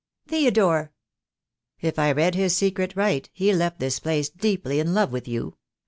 "Theodore!" "If I read his secret right, he left this place deeply in love with you.